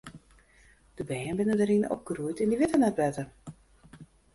De bern binne dêryn opgroeid en dy witte net better.